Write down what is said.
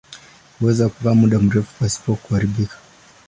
Huweza kukaa muda mrefu pasipo kuharibika.